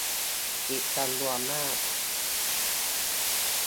อีกจำนวนมาก